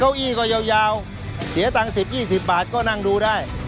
เก้าอี้ก็ยาวเสียตังค์๑๐๒๐บาทก็นั่งดูได้